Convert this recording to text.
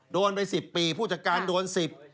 โดนไป๑๐ปีผู้จัดการโดน๑๐